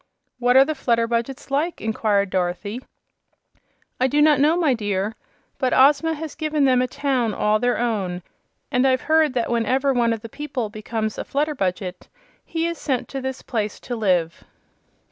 "What are the Flutterbudgets like?" inquired Dorothy. "I do not know, my dear. But Ozma has given them a town all their own, and I've heard that whenever one of the people becomes a Flutterbudget he is sent to this place to live."